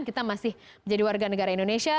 kita masih menjadi warga negara indonesia